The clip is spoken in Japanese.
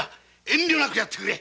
遠慮なくやってくれ。